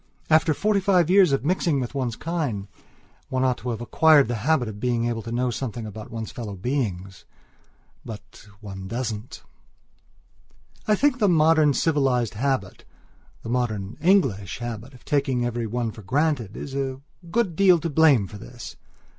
After forty five years of mixing with one's kind, one ought to have acquired the habit of being able to know something about one's fellow beings. But one doesn't. I think the modern civilized habitthe modern English habit of taking every one for grantedis a good deal to blame for this.